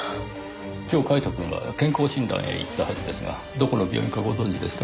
今日カイトくんは健康診断へ行ったはずですがどこの病院かご存じですか？